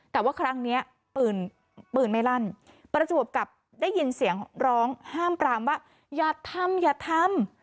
แต่ว่าครั้งนี้ปืนปืนไม่ลั่นประจวบกับได้ยินเสียงร้องห้ามปรามว่าอย่าทำอย่าทำ